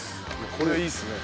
これいいですね。